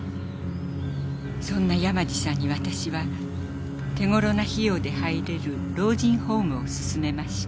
そんな山路さんに私は手頃な費用で入れる老人ホームをすすめました。